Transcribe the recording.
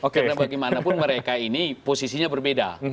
karena bagaimanapun mereka ini posisinya berbeda